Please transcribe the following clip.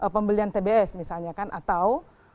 pembelian tbs misalnya kan atau